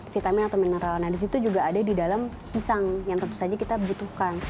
vitamin atau mineral nah disitu juga ada di dalam pisang yang tentu saja kita butuhkan